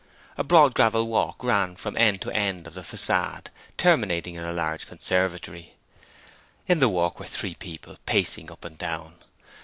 A broad gravel walk ran from end to end of the facade, terminating in a large conservatory. In the walk were three people pacing up and down.